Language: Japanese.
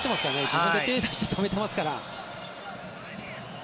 自分で手を出して止めてますから。